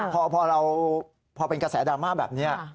พอเป็นกระแสดรม่าแบบนี้